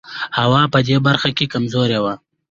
هوا په دې برخه کې کمزوری و.